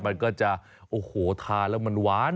มันก็จะโอ้โหทานแล้วมันหวาน